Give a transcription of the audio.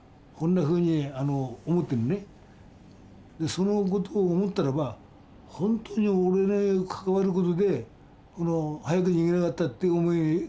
そのことを思ったらば本当に俺の関わることで早く逃げなかったっていう思いがあるから。